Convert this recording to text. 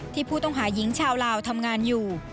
ผู้ต้องหาหญิงชาวลาวทำงานอยู่